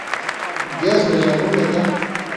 گیس دژالُوں گتہ